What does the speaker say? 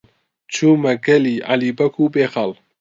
چوومە گەلی عەلی بەگ و بێخاڵ.